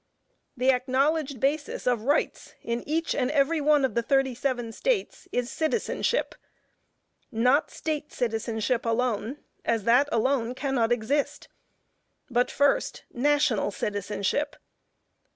The acknowledged basis of rights in each and every one of the thirty seven States, is citizenship, not State citizenship alone, as that alone cannot exist, but first, national citizenship.